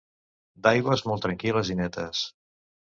D'aigües molt tranquil·les i netes.